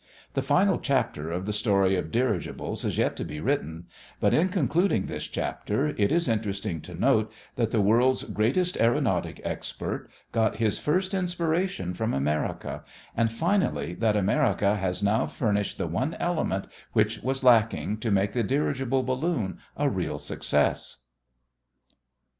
The final chapter of the story of dirigibles is yet to be written, but in concluding this chapter it is interesting to note that the world's greatest aëronautic expert got his first inspiration from America and finally that America has now furnished the one element which was lacking to make the dirigible balloon a real success.